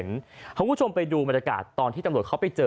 คุณผู้ชมไปดูบรรยากาศตอนที่ตำรวจเขาไปเจอ